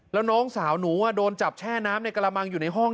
แล้วน้องสาวหนูโดนจับแช่น้ำในกระมังอยู่ในห้อง